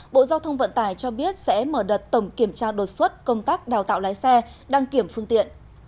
bộ giao thông vận tải cho biết sẽ mở đợt tổng kiểm tra đột xuất công tác đào tạo lái xe đăng kiểm phương tiện